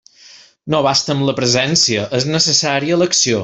No basta amb la presència, és necessària l'acció.